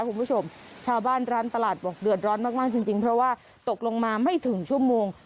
คุณผู้ชมชาวบ้านร้านตลาดบอกเดือดร้อนมากจริงจริงเพราะว่าตกลงมาไม่ถึงชั่วโมง